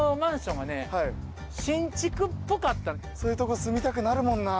そういうとこ住みたくなるもんなぁ。